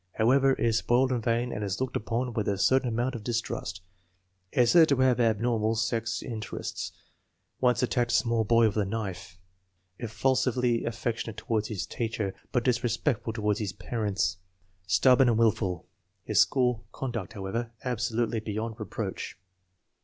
However, is spoiled and vain and is looked upon with a certain amount of distrust. Is said to have abnormal sex inter ests. Once attacked a small boy with a knife. Effu sively affectionate toward his teacher, but disrespect ful toward his parents. Stubborn and willful. His school conduct, however, absolutely beyond reproach.